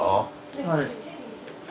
はい。